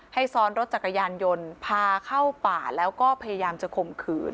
ซ้อนรถจักรยานยนต์พาเข้าป่าแล้วก็พยายามจะข่มขืน